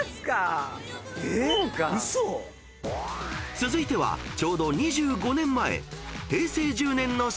［続いてはちょうど２５年前］